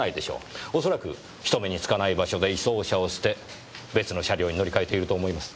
恐らく人目につかない場所で移送車を捨て別の車両に乗り換えていると思います。